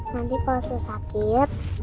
nanti kalau sus sakit